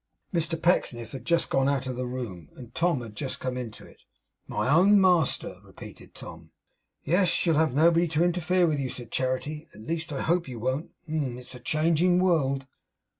Mr Pecksniff had just gone out of the room, and Tom had just come into it. 'My own master!' repeated Tom. 'Yes, you'll have nobody to interfere with you,' said Charity. 'At least I hope you won't. Hem! It's a changing world.